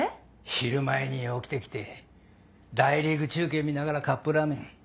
昼前に起きてきて大リーグ中継見ながらカップラーメン。